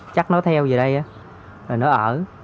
chắc nó theo về đây á rồi nó ở